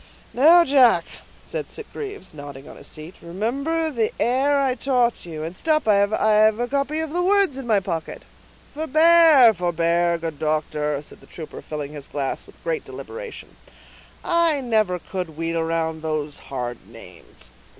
"Now, Jack," said Sitgreaves, nodding on his seat, "remember the air I taught you, and—stop, I have a copy of the words in my pocket." "Forbear, forbear, good doctor," said the trooper, filling his glass with great deliberation; "I never could wheel round those hard names.